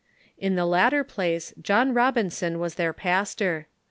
In the latter place John Robinson was their pastor.